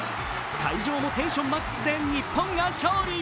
会場もテンションマックスで日本が勝利。